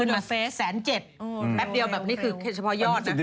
๑๗๐๐บาทแป๊บเดียวแบบนี้คือเฉพายอดนะ